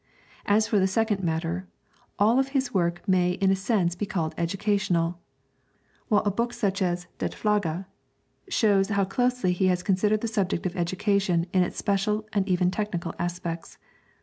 As for the second matter, all of his work may in a sense be called educational, while such a book as 'Det Flager' shows how closely he has considered the subject of education in its special and even technical aspects.